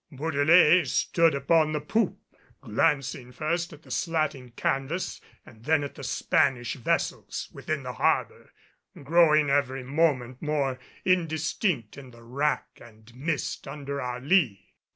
Bourdelais stood upon the poop glancing first at the slatting canvas and then at the Spanish vessels within the harbor, growing every moment more indistinct in the wrack and mist under our lee.